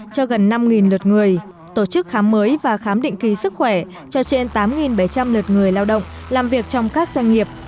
cho gần năm lượt người tổ chức khám mới và khám định kỳ sức khỏe cho trên tám bảy trăm linh lượt người lao động làm việc trong các doanh nghiệp